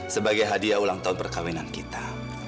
sebagai hadiah ulang tahun perkawinan kita